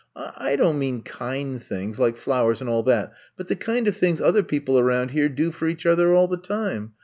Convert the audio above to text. I don't mean kind things, like flowers and all that, but the kind of things other people around here do for each other all the time.